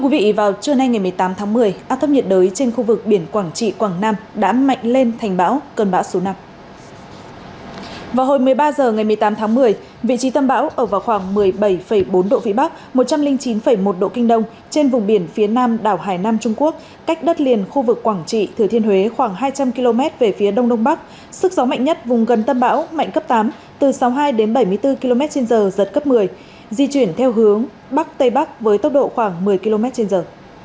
gần tâm bão mạnh cấp tám từ sáu mươi hai đến bảy mươi bốn km trên giờ giật cấp một mươi di chuyển theo hướng bắc tây bắc với tốc độ khoảng một mươi km trên giờ